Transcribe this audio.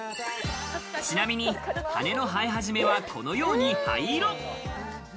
ちなみに羽根の生え始めはこのように灰色。